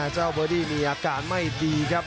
เบอร์ดี้มีอาการไม่ดีครับ